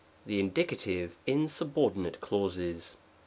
The Indioattve in Suboedinate Clauses.